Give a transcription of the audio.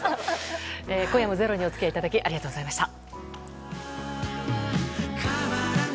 今日も「ｚｅｒｏ」にお付き合いいただきありがとうございました。